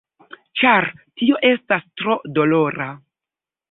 Ĉar tio estas tro dolora.